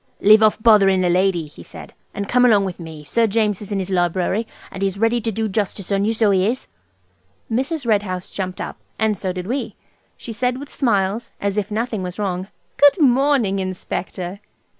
"Leave off bothering the lady," he said, "and come along of me. Sir James is in his library, and he's ready to do justice on you, so he is." Mrs. Red House jumped up, and so did we. She said with smiles, as if nothing was wrong– "Good morning, Inspector!"